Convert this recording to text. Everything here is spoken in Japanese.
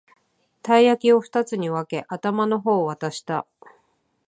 たい焼きをふたつに分け、頭の方を渡した